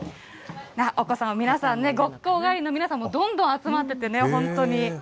お子さん、皆さんね、学校帰りの皆さんもどんどん集まっててね、本当に。